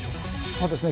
そうですね。